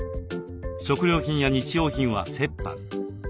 食料品や日用品は折半。